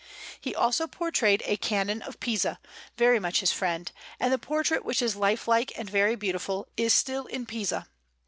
He also portrayed a Canon of Pisa, very much his friend; and the portrait, which is lifelike and very beautiful, is still in Pisa.